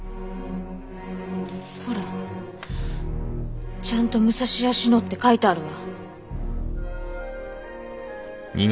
ほらちゃんと「武蔵屋しの」って書いてあるわ。